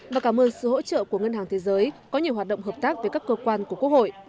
và cảm ơn sự hỗ trợ của ngân hàng thế giới có nhiều hoạt động hợp tác với các cơ quan của quốc hội